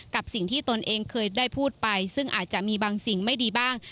กับสิ่งที่ตนเองเคยได้พูดไปซึ่งอาจจะมีบางสิ่งไม่ดีบ้าง